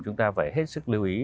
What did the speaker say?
chúng ta phải hết sức lưu ý